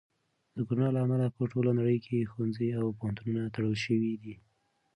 د کرونا له امله په ټوله نړۍ کې ښوونځي او پوهنتونونه تړل شوي دي.